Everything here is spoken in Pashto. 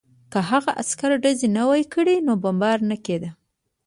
که هغه عسکر ډزې نه وای کړې نو بمبار نه کېده